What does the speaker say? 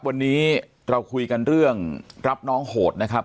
วันนี้เราคุยกันเรื่องรับน้องโหดนะครับ